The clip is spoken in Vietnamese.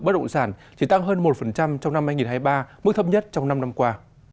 bất động sản chỉ tăng hơn một trong năm hai nghìn hai mươi ba mức thấp nhất trong năm năm qua